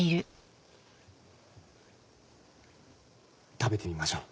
食べてみましょう。